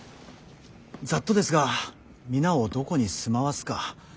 ざっとですが皆をどこに住まわすか。